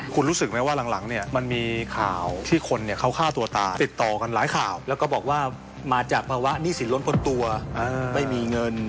คุณรู้สึกไหมว่าหลังเนี่ยมันมีข่าวที่คนเนี่ยเขาฆ่าตัวตายติดต่อกันหลายข่าวแล้วก็บอกว่ามาจากภาวะหนี้สินล้นพ้นตัวไม่มีเงิน